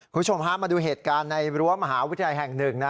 คุณผู้ชมฮะมาดูเหตุการณ์ในรั้วมหาวิทยาลัยแห่งหนึ่ง